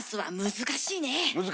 難しいねえ！